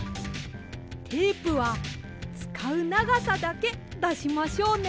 テープはつかうながさだけだしましょうね。